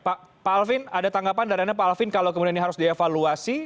pak alvin ada tanggapan dari anda pak alvin kalau kemudian ini harus dievaluasi